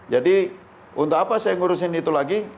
jadi untuk apa saya menguruskan itu lagi